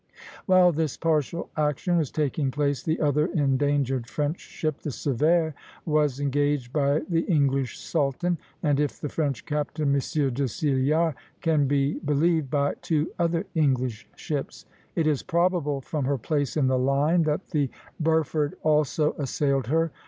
While this partial action was taking place, the other endangered French ship, the "Sévère" (b), was engaged by the English "Sultan" (s), and, if the French captain M. de Cillart can be believed, by two other English ships. It is probable, from her place in the line, that the "Burford" also assailed her.